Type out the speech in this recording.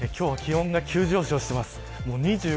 今日は気温が急上昇しています。